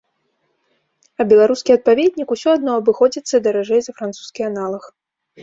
А беларускі адпаведнік ўсё адно абыходзіцца даражэй за французскі аналаг.